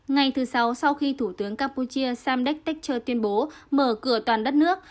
ngày thứ sáu sau khi thủ tướng campuchia sam dek teccho tuyên bố mở cửa toàn đất nước